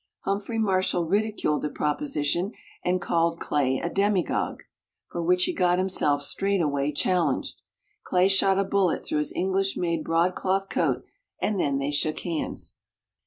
Humphrey Marshall ridiculed the proposition and called Clay a demagogue, for which he got himself straightway challenged. Clay shot a bullet through his English made broadcloth coat, and then they shook hands.